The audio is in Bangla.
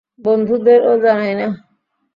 বন্ধুদেরও জানাই না।